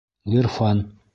Ғирфан.